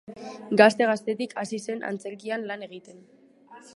Gazte gaztetik hasi zen antzerkian lan egiten.